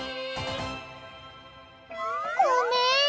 ごめん。